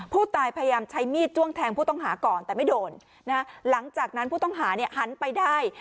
พยายามใช้มีดจ้วงแทงผู้ต้องหาก่อนแต่ไม่โดนนะฮะหลังจากนั้นผู้ต้องหาเนี่ยหันไปได้